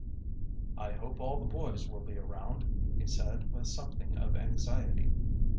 "I hope all the boys will be around," he said, with something of anxiety.